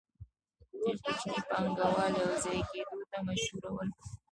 دوی کوچني پانګوال یوځای کېدو ته مجبورول